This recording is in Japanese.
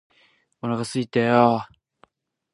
お腹すいたよーー